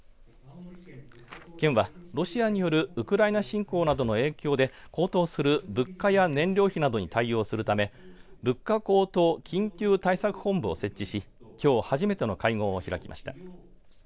県はロシアによるウクライナ侵攻などの影響で高騰する物価や燃料費などに対応するため物価高騰緊急対策本部を設置しきょう初めての会合を開きました。